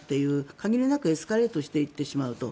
限りなくエスカレートしていってしまうと。